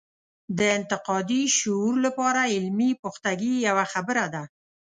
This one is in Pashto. د انتقادي شعور لپاره علمي پختګي یوه خبره ده.